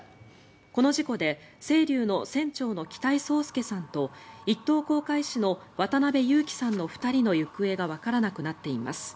この事故で「せいりゅう」の船長の北井宗祐さんと１等航海士の渡辺侑樹さんの２人の行方がわからなくなっています。